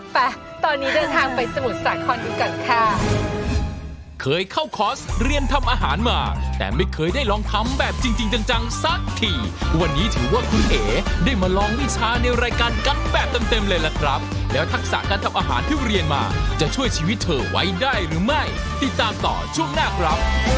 ไปตอนนี้เดินทางไปสมุทรสาครดูกันค่ะ